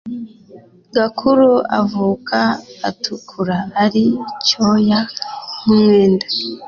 gakuru avuka atukura ari cyoya nk umwenda